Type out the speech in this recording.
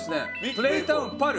プレイタウンパル。